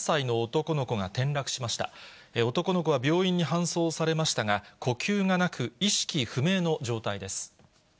男の子は病院に搬送されましたが、呼吸がなく、意識不明の状態です。